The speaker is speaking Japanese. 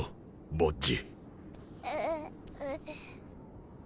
ボッジ。